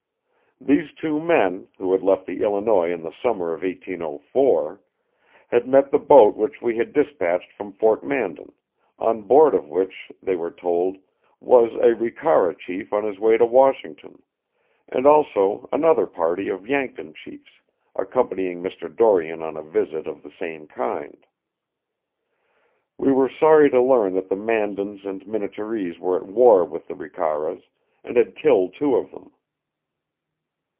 "These two men [who had left the Illinois in the summer of 1804] had met the boat which we had dispatched from Fort Mandan, on board of which, they were told, was a Ricara chief on his way to Washington; and also another party of Yankton chiefs, accompanying Mr. Dorion on a visit of the same kind. We were sorry to learn that the Mandans and Minnetarees were at war with the Ricaras, and had killed two of them.